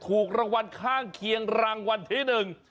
ถูกรางวัลข้างเคียงรางวัลที่หนึ่ง